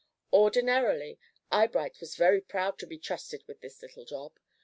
Ordinarily, Eyebright was very proud to be trusted with this little job.